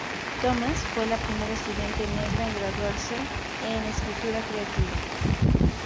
Thomas fue la primera estudiante negra en graduarse en escritura creativa.